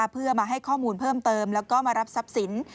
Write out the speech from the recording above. เพื่อมาให้ข้อมูลเพิ่มเติมแล้วก็มารับทรัพย์สิน